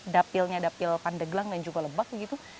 dapil nya dapil pandeglang dan juga lebak gitu